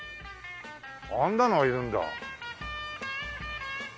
あんなのがいるんだ。